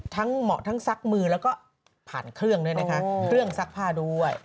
เหมาะทั้งซักมือแล้วก็ผ่านเครื่องด้วยนะคะเครื่องซักผ้าด้วย